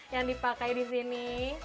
yang dipakai disini